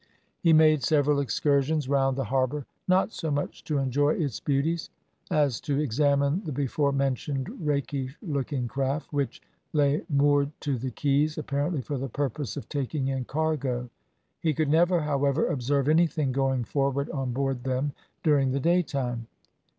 He made several excursions round the harbour, not so much to enjoy its beauties, as to examine the before mentioned rakish looking craft which lay moored to the quays, apparently for the purpose of taking in cargo; he could never, however, observe anything going forward on board them during the daytime.